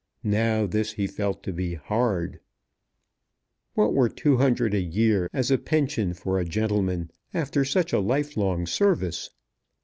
Now this he felt to be hard. What were two hundred a year as a pension for a gentleman after such a life long service?